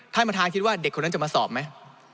ท่านประธานคิดว่าเด็กคนนั้นจะมาสอบไหม